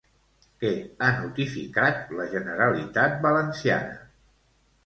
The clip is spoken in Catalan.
Què ha notificat la Generalitat Valenciana?